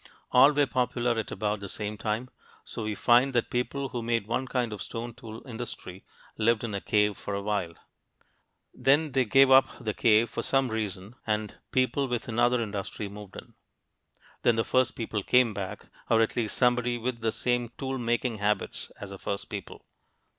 All were popular at about the same time. So we find that people who made one kind of stone tool industry lived in a cave for a while. Then they gave up the cave for some reason, and people with another industry moved in. Then the first people came back or at least somebody with the same tool making habits as the first people.